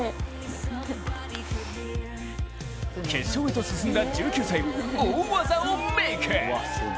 決勝へと進んだ１９歳は大技をメイク。